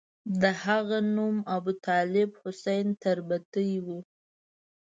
د هغه نوم ابوطالب حسین تربتي وو.